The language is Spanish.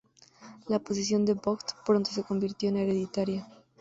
La posición del vogt pronto se convirtió en hereditaria.